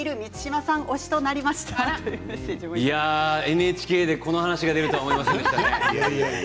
ＮＨＫでこの話が出ると思いませんでしたね。